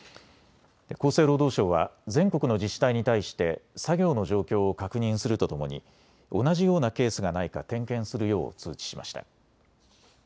厚生労働省は全国の自治体に対して作業の状況を確認するとともに同じようなケースがないか点検するよう通知しました。